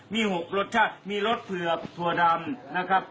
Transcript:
มี๖รสชาติมีรสเผือกถั่วดำนะครับ